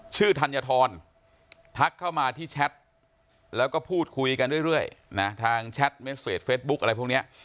ธัญฑรทักเข้ามาที่แชทแล้วก็พูดคุยกันเรื่อยนะทางแชทเม็ดเฟสเฟซบุ๊กอะไรพวกนี้